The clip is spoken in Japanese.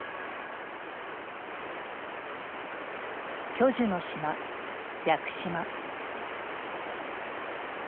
巨樹の島屋久島。